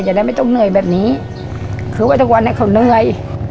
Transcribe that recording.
อย่างนั้นไม่ต้องเหนื่อยแบบนี้คือวันทุกวันให้เขาเหนื่อย